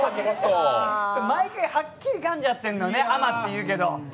毎回はっきりかんじゃってんのね甘って言うけど。